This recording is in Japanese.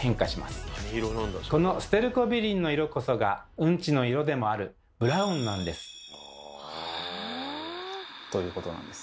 このステルコビリンの色こそがうんちの色でもあるブラウンなんです。ということなんです。